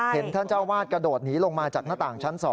ท่านเจ้าวาดกระโดดหนีลงมาจากหน้าต่างชั้น๒